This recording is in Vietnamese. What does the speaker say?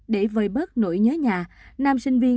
để vơi bớt nỗi nhớ nhà nam sinh viên